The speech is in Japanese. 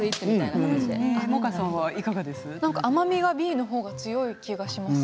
甘みはＢのほうが強い気がします。